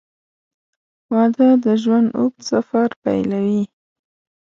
• واده د ژوند اوږد سفر پیلوي.